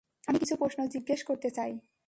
আমি কিছু প্রশ্ন জিজ্ঞেস করতে চাই?